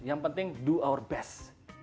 yang penting do our best